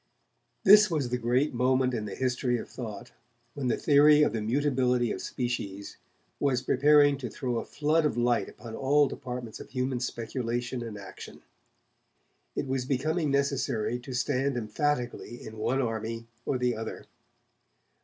This was the great moment in the history of thought when the theory of the mutability of species was preparing to throw a flood of light upon all departments of human speculation and action. It was becoming necessary to stand emphatically in one army or the other.